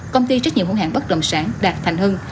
công ty trách nhiệm hữu hàng bất động sản đạt thành hưng